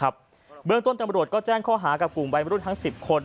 เบื้องต้นตำรวจก็แจ้งข้อหากับกลุ่มวัยมรุ่นทั้ง๑๐คน